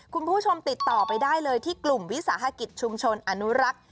คุณผู้ชมติดต่อไปได้เลยที่กลุ่มวิสาหกิจชุมชนอนุรักษ์